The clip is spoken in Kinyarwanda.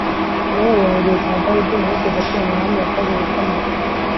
uhereye mu gihe cya dawidi, ntihigeze kwima umwami wakoze ibikomeye